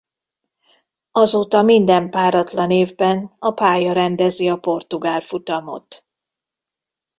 Azóta minden páratlan évben a pálya rendezi a portugál futamot.